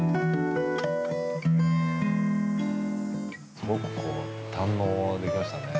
すごく堪能できましたね。